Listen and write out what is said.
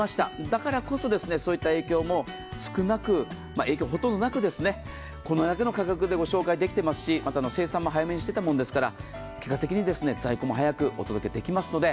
だからこそそういった影響ほとんどなくこれだけの価格でご紹介できますし、生産も早くしていましたから結果的に在庫も早くお届けできますので。